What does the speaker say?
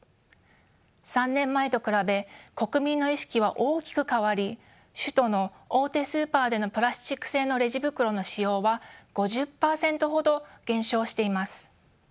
３年前と比べ国民の意識は大きく変わり首都の大手スーパーでのプラスチック製のレジ袋の使用は５０％ほど減少しています。